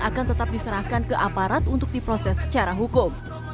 akan tetap diserahkan ke aparat untuk diproses secara hukum